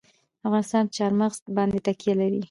افغانستان په چار مغز باندې تکیه لري.